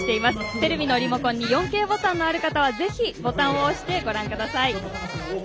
テレビのリモコンに４Ｋボタンのある方はぜひボタンを押してご覧ください。